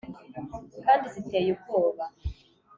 kandi ziteye ubwoba,